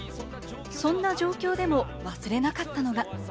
そんな状況でも忘れなかったのが。